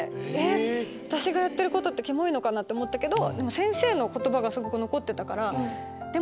私がやってることってキモいのかなと思ったけど。